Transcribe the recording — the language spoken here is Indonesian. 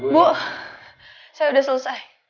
bu saya udah selesai